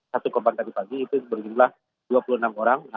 satu korban tadi pagi itu berjumlah dua puluh enam orang